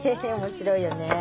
面白いよね。